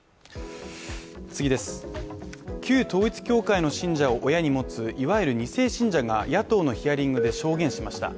旧統一教会の信者を親に持つ、いわゆる２世信者が野党のヒアリングで証言しました。